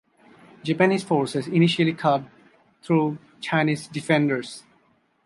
Japanese forces initially cut through Chinese defenders.